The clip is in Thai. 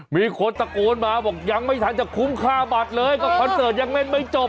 มีคนตะโกนมาบอกยังไม่ทันจะคุ้มค่าบัตรเลยก็คอนเสิร์ตยังเล่นไม่จบ